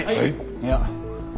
いや。